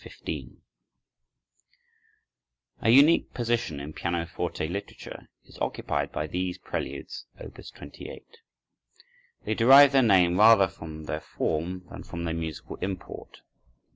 15 A unique position in pianoforte literature is occupied by these Preludes, Op. 28. They derive their name rather from their form than from their musical import.